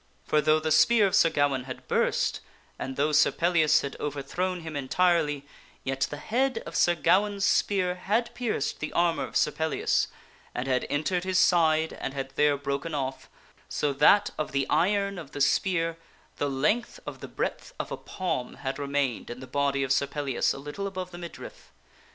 sore wounded. p or> though the spear of Sir Gawaine had burst, and though Sir Pellias had overthrown him entirely, yet the head of Sir Gawaine's spear had pierced the armor of Sir Pellias, and had entered his side and had there broken off, so that of the iron of the spear, the length of the breadth of a palm had remained in the body of Sir Pellias a little above the midriff.